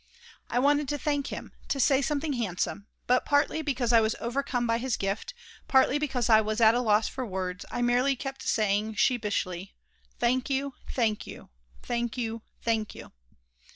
I wanted to thank him, to say something handsome, but partly because I was overcome by his gift, partly because I was at a loss for words, I merely kept saying, sheepishly, "Thank you, thank you, thank you, thank you."